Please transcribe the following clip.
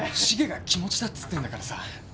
シゲが気持ちだっつってんだからさ。